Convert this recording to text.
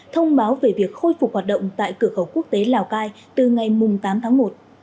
thông báo về việc khôi phục hoạt động tại cửa khẩu quốc tế lào cai từ ngày tám tháng một